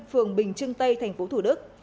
phường bình trưng tây thành phố thủ đức